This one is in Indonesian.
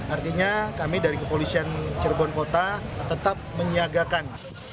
artinya kami dari kepolisian cirebon kota tetap menyiagakan